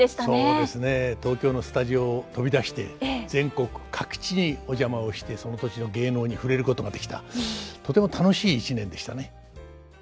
東京のスタジオを飛び出して全国各地にお邪魔をしてその土地の芸能に触れることができたとても楽しい一年でしたね。